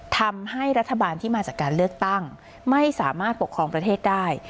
ทำให้รัฐบาลที่มาจากการเลือกตั้งไม่สามารถปกครองประเทศได้